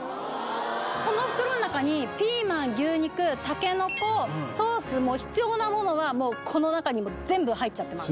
この袋の中にピーマン牛肉たけのこソース必要なものはもうこの中に全部入っちゃってます